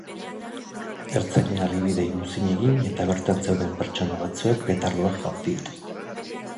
Ertzainen argibideei muzin egin, eta bertan zeuden pertsona batzuek petardoak jaurti dituzte.